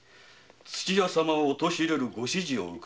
土屋様を陥れるご指示。